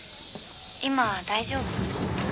今大丈夫？